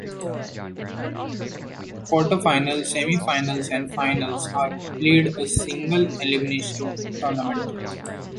Quarter-finals, Semi-finals and Finals are played a single-elimination tournament.